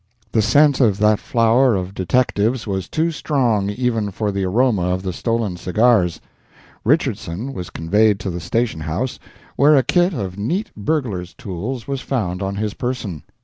The scent of that flower of detectives was too strong even for the aroma of the stolen cigars. Richardson was conveyed to the station house, where a kit of neat burglar's tools was found on his person.